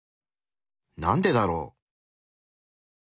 なんでだろう？